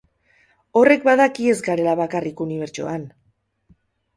Horrek badaki ez garela bakarrik unibertsoan!